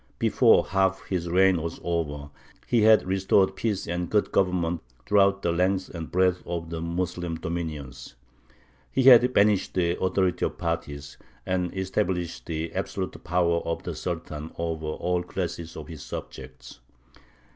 Before half his reign was over he had restored peace and good government throughout the length and breadth of the Moslem dominions; he had banished the authority of parties, and established the absolute power of the Sultan over all classes of his subjects.